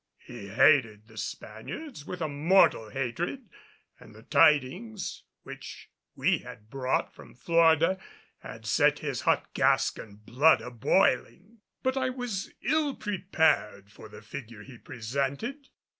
He hated the Spaniards with a mortal hatred and the tidings which we had brought from Florida had set his hot Gascon blood a boiling. But I was ill prepared for the figure he presented.